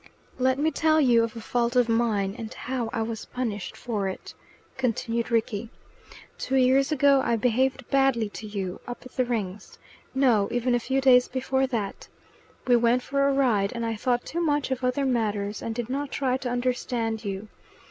"Let me tell you of a fault of mine, and how I was punished for it," continued Rickie. "Two years ago I behaved badly to you, up at the Rings. No, even a few days before that. We went for a ride, and I thought too much of other matters, and did not try to understand you.